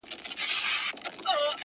له همدې ځایه یې مانا منفي بار اخیستی